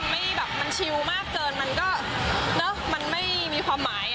มันชิลมากเกินมันก็เนอะมันไม่มีความหมาย